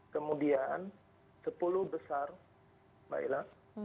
kemudian sepuluh besar mbak ila